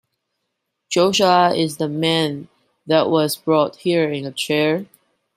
Joshua is the man that was brought here in a chair?